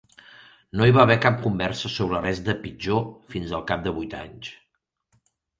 No hi va haver cap conversa sobre res de "pitjor" fins al cap de vuit anys.